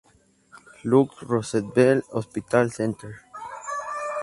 Luke's-Roosevelt Hospital Center.